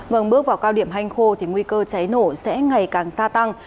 vâng bước vào cao điểm hanh khô thì nguy cơ cháy nổ sẽ ngày càng gia tăng